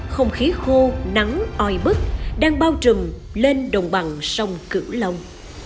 không khí khô nắng oi bức đang bao trùm lên đồng bằng sông cửu long